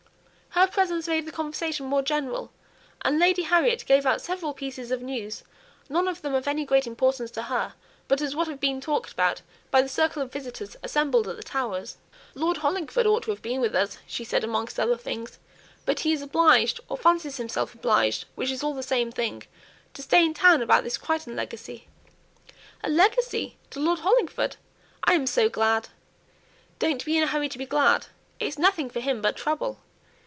Her presence made the conversation more general, and Lady Harriet gave out several pieces of news, none of them of any great importance to her, but as what had been talked about by the circle of visitors assembled at the Towers. "Lord Hollingford ought to have been with us," she said, amongst other things; "but he is obliged, or fancies himself obliged, which is all the same thing, to stay in town about this Crichton legacy!" "A legacy? To Lord Hollingford? I am so glad!" "Don't be in a hurry to be glad! It's nothing for him but trouble.